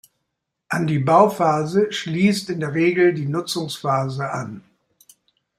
An die Bauphase schließt in der Regel die Nutzungsphase an.